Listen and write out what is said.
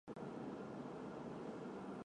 布雷昂人口变化图示